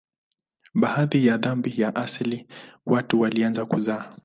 Baada ya dhambi ya asili watu walianza kuzaa.